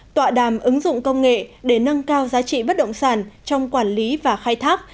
tọa đàm ứng dụng công nghệ để nâng cao giá trị bất động sản trong quản lý và khai thác